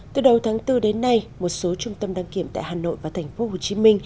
từ đầu tháng bốn đến nay một số trung tâm đăng kiểm tại hà nội và tp hcm